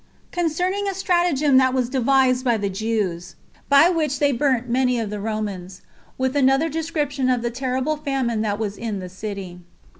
Concerning A Stratagem That Was Devised By The Jews, By Which They Burnt Many Of The Romans; With Another Description Of The Terrible Famine That Was In The City.